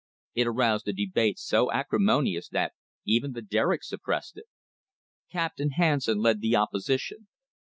It aroused a debate so acrimonious that even the Derrick suppressed it. Captain Hasson led the opposition.